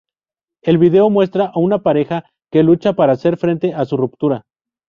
El vídeo muestra a una pareja que lucha para hacer frente a su ruptura.